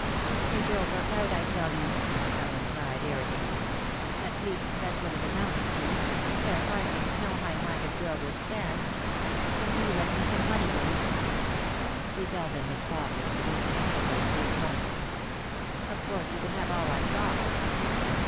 "They drove her out, I tell you," Ellen cried, irritably. "At least that's what it amounted to. There are things no high minded girl will stand. Can you lend me some money, Willy?" He felt in his pocket, producing a handful of loose money. "Of course you can have all I've got," he said.